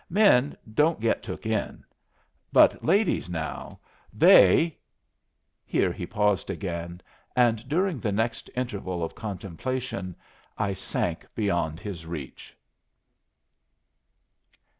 "Men don't get took in. But ladies now, they " Here he paused again, and during the next interval of contemplation I sank beyond his reach.